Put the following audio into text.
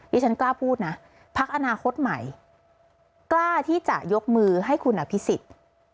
ฉันกล้าพูดนะพักอนาคตใหม่กล้าที่จะยกมือให้คุณอภิษฎ